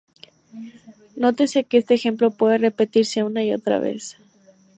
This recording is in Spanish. Nótese que este ejemplo puede repetirse una y otra vez.